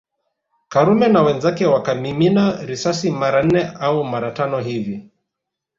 Karume na wenzake wakamimina risasi mara nne au mara tano hivi